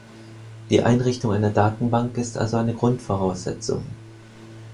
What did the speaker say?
Die Einrichtung einer Datenbank ist also eine Grundvoraussetzung.